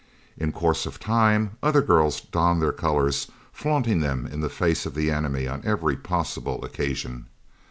In course of time other girls donned their colours, flaunting them in the face of the enemy on every possible occasion.